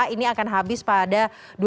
ini akan habis pada dua ribu dua puluh